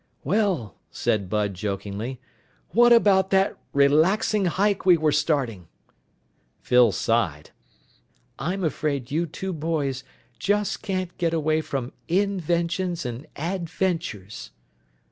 "Well," said Bud jokingly, "what about that relaxing hike we were starting?" Phyl sighed. "I'm afraid you two boys just can't get away from _in_ventions and _ad_ventures."